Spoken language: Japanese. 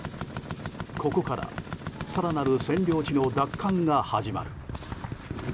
ここから更なる占領地の奪還が始まる。